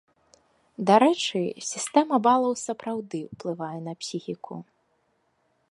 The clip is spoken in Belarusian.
Дарэчы, сістэма балаў сапраўды ўплывае на псіхіку.